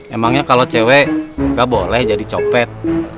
emangnya kalau cewek gak boleh jadi copet